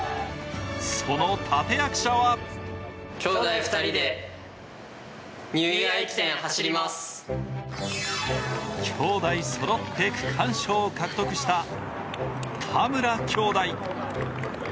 その立て役者は兄弟そろって区間賞を獲得した田村兄弟。